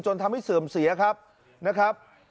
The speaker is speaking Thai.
ทำให้เสื่อมเสียครับนะครับ